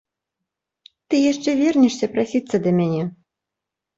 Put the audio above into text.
Ты яшчэ вернешся прасіцца да мяне.